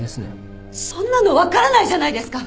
そんなの分からないじゃないですか。